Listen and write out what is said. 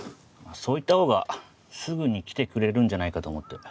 そう言ったほうがすぐに来てくれるんじゃないかと思って。